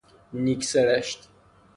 نیک سرشت